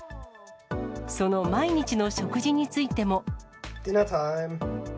その毎日の食事についても。